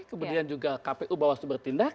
kemudian juga kpu bawah itu bertindak